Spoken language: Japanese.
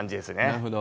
なるほど。